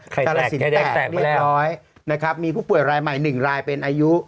ไข่แตกแตกไปแล้วนะครับมีผู้ป่วยรายใหม่๑รายเป็นอายุ